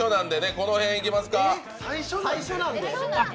この辺いきますか。